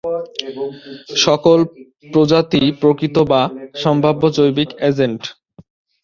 সকল প্রজাতিই প্রকৃত বা সম্ভাব্য জৈবিক এজেন্ট।